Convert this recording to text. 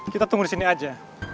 kita tunggu disini aja